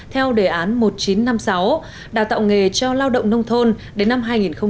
theo đề án một nghìn chín trăm năm mươi sáu đào tạo nghề cho lao động nông thôn đến năm hai nghìn hai mươi